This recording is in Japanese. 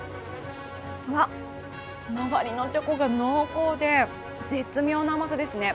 うわ、周りのチョコが濃厚で絶妙な甘さですね。